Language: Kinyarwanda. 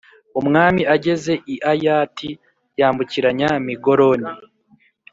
Umwanzi ageze i Ayati, yambukiranya Migoroni;